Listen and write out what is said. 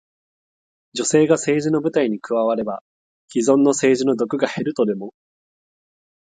女性が政治の舞台に加われば、既存の政治の毒が減るとでも？